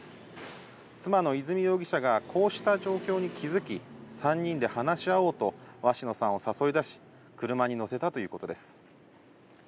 妻の和美容疑者がこうした状況に気付き、３人で話し合おうと、鷲野さんを誘い出し、車に乗せたということです。